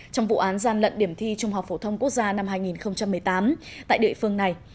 trong vụ án gian lận điểm thi trung học phổ thông quốc gia năm hai nghìn một mươi tám tại địa phương này